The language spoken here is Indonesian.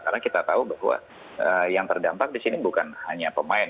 karena kita tahu bahwa yang terdampak di sini bukan hanya pemain